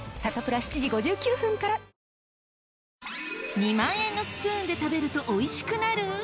２万円のスプーンで食べるとおいしくなる？